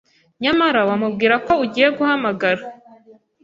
Nyamara wamubwira ko ugiye guhamagara